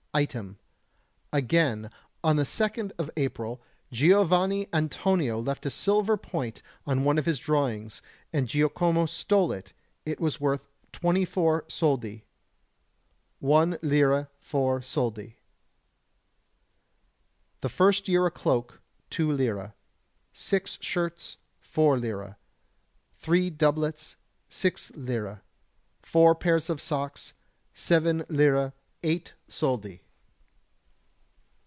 Item: again, on the 2d of April, Giovanni Antonio left a silver point on one of his drawings, and Giacomo stole it; it was worth 24 soldi, 1 lire, 4 soldi. The first year a cloak, 2 lire; six shirts, 4 lire; three doublets, 6 lire: four pairs of socks, 7 lire, 8 soldi.